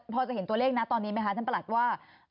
พอจะเห็นตัวเลขนะตอนนี้ไหมคะท่านประหลัดว่า